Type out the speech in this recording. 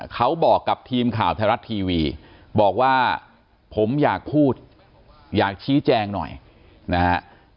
เขาบอกกับทีมข่าวไทยรัฐทีวีบอกว่าผมอยากพูดอยากชี้แจงหน่อยนะฮะ